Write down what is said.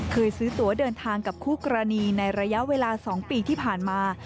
เคยซื้อตัวเดินทางกับคู่กรณีในระยะเวลา๒ปีที่ผ่านมา